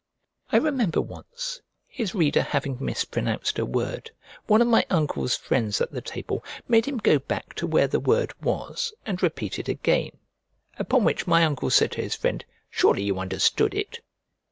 I remember once his reader having mis pronounced a word, one of my uncle's friends at the table made him go back to where the word was and repeat it again; upon which my uncle said to his friend, "Surely you understood it?"